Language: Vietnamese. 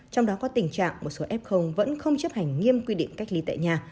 trong đó có tình trạng một số f vẫn không chấp hành nghiêm quy định cách ly tại nhà